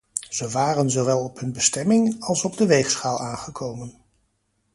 Ze waren zowel op hun bestemming, als op de weegschaal aangekomen.